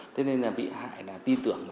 thế nên là bị hại là tin tưởng